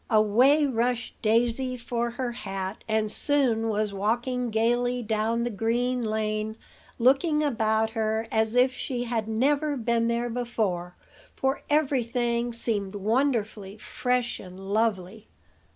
Away rushed Daisy for her hat, and soon was walking gayly down the green lane, looking about her as if she had never been there before; for every thing seemed wonderfully fresh and lovely.